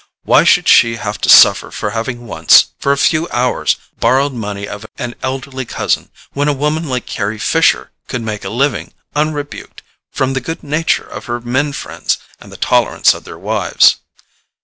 Why should she have to suffer for having once, for a few hours, borrowed money of an elderly cousin, when a woman like Carry Fisher could make a living unrebuked from the good nature of her men friends and the tolerance of their wives?